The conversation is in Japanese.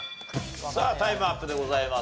さあタイムアップでございます。